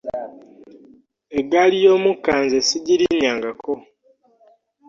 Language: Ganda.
Eggaali y'omukka nze ssigirinnyangako!